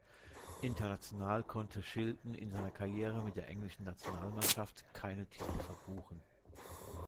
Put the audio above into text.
International konnte Shilton in seiner Karriere mit der englischen Nationalmannschaft keine Titel verbuchen.